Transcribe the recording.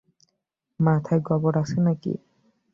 মাথায় গোবর আছে না কি?